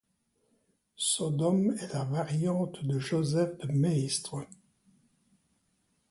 Sodome est la variante de Joseph de Maistre.